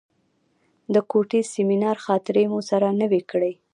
د کوټې سیمینار خاطرې مو سره نوې کړې.